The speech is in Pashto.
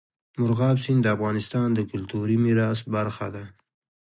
مورغاب سیند د افغانستان د کلتوري میراث برخه ده.